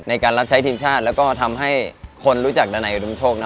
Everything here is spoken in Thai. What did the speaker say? ในการรับใช้ทีมชาติแล้วก็ทำให้คนรู้จักดันัยอุดมโชคนะ